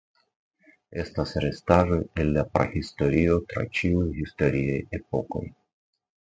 Estas restaĵoj el la prahistorio tra ĉiuj historiaj epokoj.